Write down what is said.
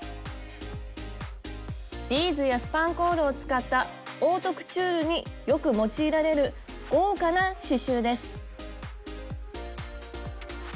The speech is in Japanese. ビーズやスパンコールを使ったオートクチュールによく用いられる豪華な刺しゅうです。